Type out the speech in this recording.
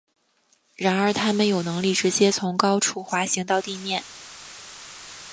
然而它们有能力直接从高处滑行到地面。